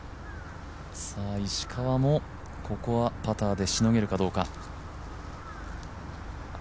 石川もここはパターでしのげるかどうか。